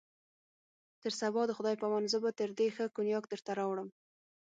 تر سبا د خدای په امان، زه به تر دې ښه کونیاک درته راوړم.